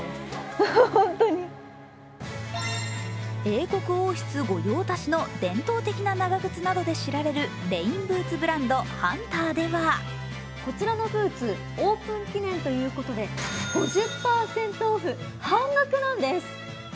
英国王室御用達の伝統的な長靴などで知られるレインブーツブランド、ハンターではこちらのブーツ、オープン記念ということで５０％オフ、半額なんです。